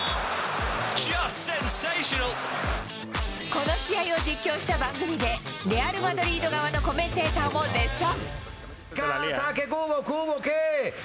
この試合を実況した番組で、レアル・マドリード側のコメンテーターも絶賛。